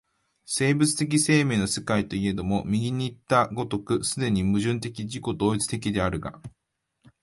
生物的生命の世界といえども、右にいった如く既に矛盾的自己同一的であるが、